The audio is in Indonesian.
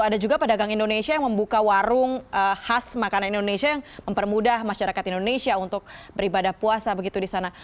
ada juga pedagang indonesia yang membuka warung khas makanan indonesia yang mempermudah masyarakat indonesia untuk beribadah puasa begitu di sana